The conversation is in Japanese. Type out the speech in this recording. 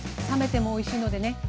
冷めてもおいしいのでね